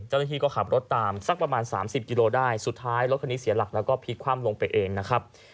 เจ้าหน้าที่ก็ขับรถตามสักประมาณสามสิบกิโลได้สุดท้ายรถคันนี้เสียหลักแล้วก็พลิกคว่ำลงไปเองนะครับ